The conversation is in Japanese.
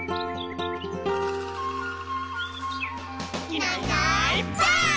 「いないいないばあっ！」